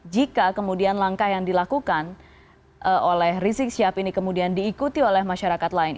jika kemudian langkah yang dilakukan oleh rizik syihab ini kemudian diikuti oleh masyarakat lain